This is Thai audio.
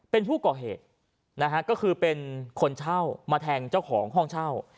เป็นผู้ก่อเหตุนะฮะก็คือเป็นคนเช่ามาแทงเจ้าของห้องเช่า